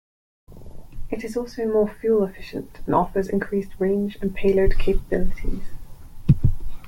It is also more fuel-efficient and offers increased range and payload capabilities.